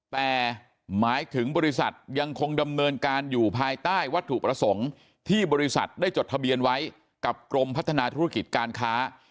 แต่หมายถึงบริษัทยังคงดำเนินการอยู่ภายใต้วัตถุประสงค์ที่บริษัทได้จดทะเบียนไว้กับกรมพัฒนาธุรกิจการค้า